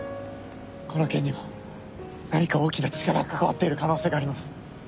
この件には何か大きな力が関わっている可能性があります。